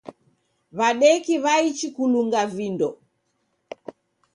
W'adeki w'aichi kulunga vindo.